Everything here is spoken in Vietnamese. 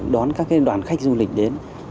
đón các đoàn khách du lịch đến